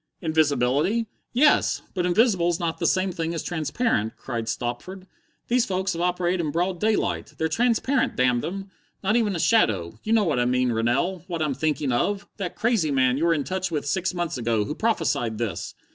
"Invisibility? Yes! But invisible's not the same thing as transparent," cried Stopford. "These folks have operated in broad daylight. They're transparent, damn them! Not even a shadow! You know what I mean, Rennell! What I'm thinking of! That crazy man you were in touch with six months ago, who prophesied this!